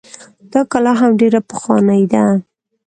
دا کلا هم ډيره پخوانۍ ده